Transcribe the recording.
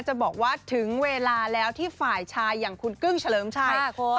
จะบอกว่าถึงเวลาแล้วที่ฝ่ายชายอย่างคุณกึ้งเฉลิมชัย